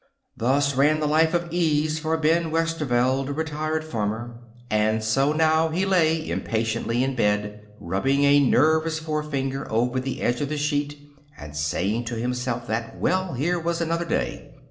Thus ran the life of ease for Ben Westerveld, retired farmer. And so now he lay impatiently in bed, rubbing a nervous forefinger over the edge of the sheet and saying to himself that, well, here was another day.